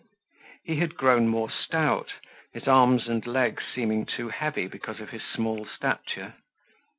He had grown more stout, his arms and legs seeming too heavy because of his small stature.